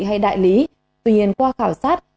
hay đại lý tuy nhiên qua khảo sát